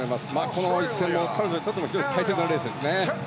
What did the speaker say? この１戦も彼女にとっては非常に大切なレースですね。